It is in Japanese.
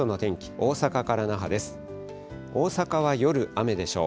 大阪は夜、雨でしょう。